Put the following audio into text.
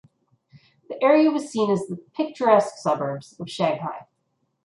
The area was seen as the "picturesque suburbs" of Shanghai.